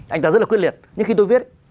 anh ta rất là quyết liệt nhưng khi tôi viết